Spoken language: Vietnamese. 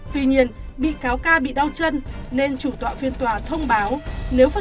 tuy nhiên bị cáo ca bị đau chân nên chủ tọa phiên tòa thông báo